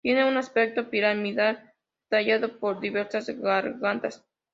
Tiene un aspecto piramidal, tallado por diversas gargantas.